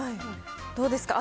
どうですか？